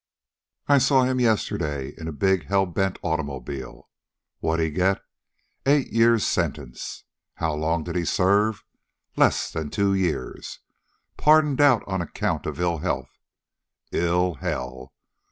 I saw him yesterday, in a big hell bent automobile. What'd he get? Eight years' sentence. How long did he serve? Less'n two years. Pardoned out on account of ill health. Ill hell!